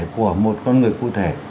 của một con người cụ thể